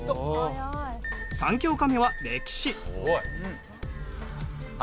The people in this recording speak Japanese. ３教科目は歴史。